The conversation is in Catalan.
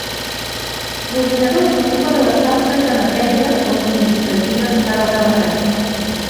L'ordinador s'ocupa de les tasques de "neteja" o administratives per al demandat.